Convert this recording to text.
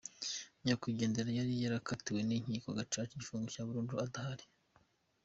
Nyakwigendera yari yarakatiwe n’inkiko gacaca igifungo cya burundu adahari.